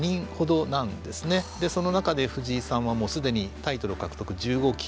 その中で藤井さんはすでにタイトル獲得１５期。